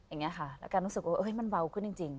เองกระแล้วกันรู้สึกว่ามันเบาขึ้นจริง